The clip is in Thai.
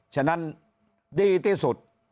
ฉะนั้นดีที่สุด